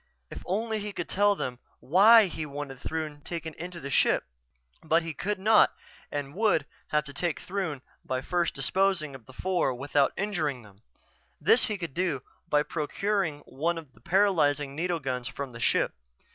If only he could tell them why he wanted Throon taken into the ship ... But he could not and would have to take Throon by first disposing of the four without injuring them. This he could do by procuring one of the paralyzing needle guns from the ship.